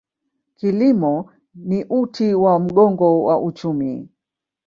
Kilimo ni uti wa mgongo wa uchumi.